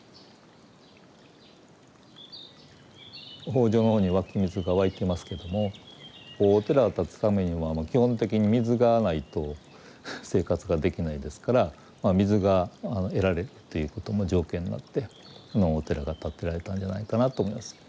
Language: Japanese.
方丈のほうに湧き水が湧いてますけどもお寺が建つためには基本的に水がないと生活ができないですから水が得られるということも条件になってこのお寺が建てられたんじゃないかなと思います。